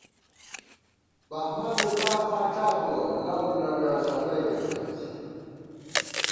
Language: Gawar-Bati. بہمن مِتار فاڄابُوَہ ، لؤلَوِیَہ ݪپَئیکے پت